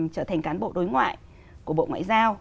trở thành cán bộ đối ngoại của bộ ngoại giao